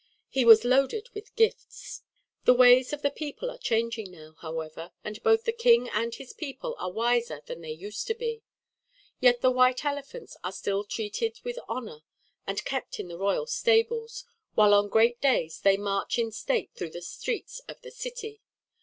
He was loaded with gifts. The ways of the people are changing now, however, and both the king and his people are wiser than they used to be. Yet the white elephants are still treated with honour, and kept in the royal stables, while on great days they march in state through the streets of the city.